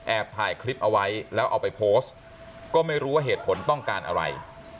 ถ่ายคลิปเอาไว้แล้วเอาไปโพสต์ก็ไม่รู้ว่าเหตุผลต้องการอะไร